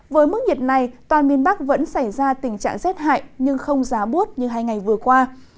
với mức nhiệt này toàn miền bắc vẫn xảy ra tình trạng rét hại nhưng không giá bút như hai ngày vừa qua